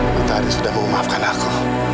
mata hari sudah mau memaafkan aku